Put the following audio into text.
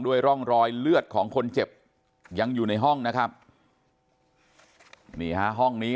ร่องรอยเลือดของคนเจ็บยังอยู่ในห้องนะครับนี่ฮะห้องนี้